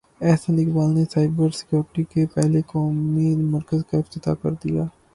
احسن اقبال نے cyber security کے پہلے قومی مرکز کا افتتاح کر دیا